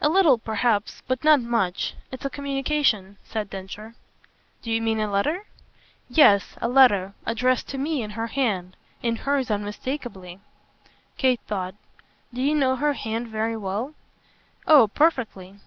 "A little perhaps but not much. It's a communication," said Densher. "Do you mean a letter?" "Yes, a letter. Addressed to me in her hand in hers unmistakeably." Kate thought. "Do you know her hand very well?" "Oh perfectly."